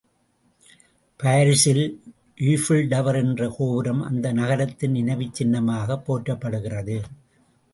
பாரிசில் Eiffel Tower என்ற கோபுரம் அந்த நகரத்தின் நினைவுச்சின்னமாகப் போற்றப்படுகிறது.